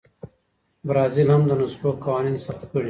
برازیل هم د نسخو قوانین سخت کړي.